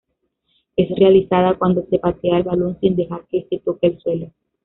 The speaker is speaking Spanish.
Es realizada cuando se patea el balón sin dejar que este toque el suelo.